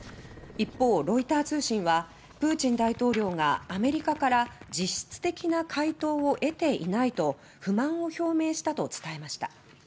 一方、ロイター通信はプーチン大統領がアメリカから実質的な回答を得ていないと不満を表明したと伝えました。